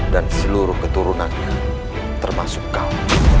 dan seluruh keturunannya termasuk kau